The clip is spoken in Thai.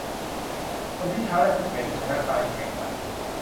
คนที่ช้าและเสถียรจะชนะการแข่งขัน